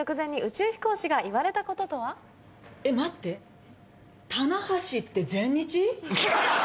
「えまって棚橋って全日？」。